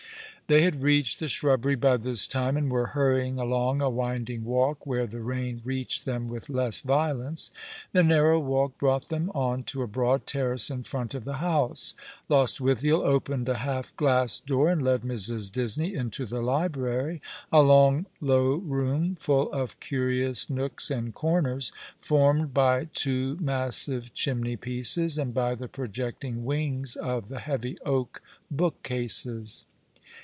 The Rain set early in To night ^ 9 Tlicy had reached the shrubbery by this time, and were hurrying along a winding walk where the rain reached them with less yiolence. The narrow walk brought them on to a broad terrace in front of the house. Lostwithiel opened a half glass door, and led Mrs. Disney into the library, a long, low room, full of curions nooks and corners, formed by two massive chimney pieces, and by the projecting wings of the heavy oak bookcases.